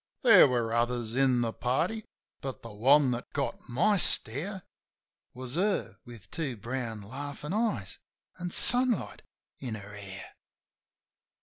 There were others in the party, but the one that got my stare Was her with two brown, laughin' eyes an' sunlight in her hair.